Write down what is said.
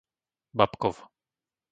Babkov